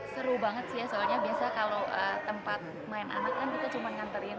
seru banget sih ya soalnya biasa kalau tempat main anak kan kita cuma nganterin